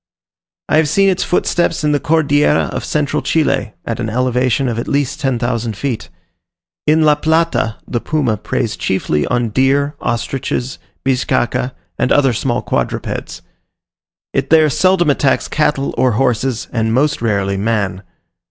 I have seen its footsteps in the Cordillera of central Chile, at an elevation of at least 10,000 feet. In La Plata the puma preys chiefly on deer, ostriches, bizcacha, and other small quadrupeds; it there seldom attacks cattle or horses, and most rarely man.